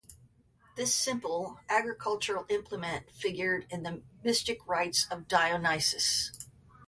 This simple agricultural implement figured in the mystic rites of Dionysus.